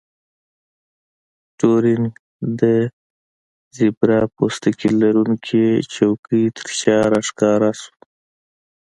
ټورینګ د زیبرا پوستکي لرونکې څوکۍ ترشا راښکاره شو